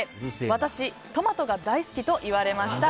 私、トマトが大好きと言われました。